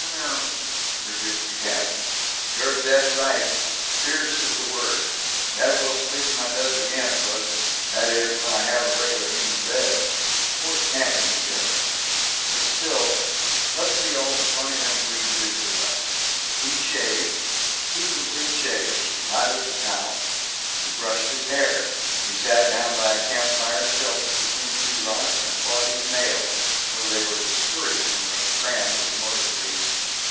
"Mrwr!" rebuked the cat. "You're dead right. Fierce is the word. Nev' will sleep in my duds again, puss. That is, when I have a reg'lar human bed. Course camping, different. But still Let's see all the funny things we can do to us." He shaved two complete shaves, from lather to towel. He brushed his hair. He sat down by a campfire sheltered between two rocks, and fought his nails, though they were discouragingly crammed with motor grease.